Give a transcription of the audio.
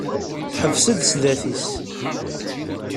Teḥbes-d sdat-is.